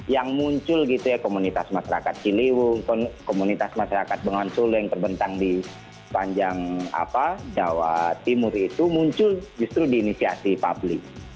yang muncul gitu ya komunitas masyarakat ciliwung komunitas masyarakat bengawan solo yang terbentang di panjang jawa timur itu muncul justru di inisiasi publik